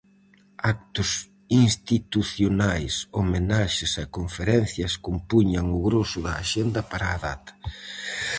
Actos institucionais, homenaxes e conferencias compuñan o groso da axenda para a data.